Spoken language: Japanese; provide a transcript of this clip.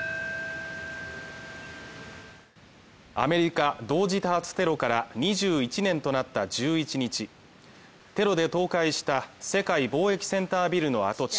アメリカ同時多発テロから２１年となった１１日テロで倒壊した世界貿易センタービルの跡地